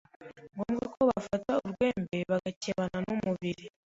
ngombwa ko bafata urwembe bagakebana n’umubiri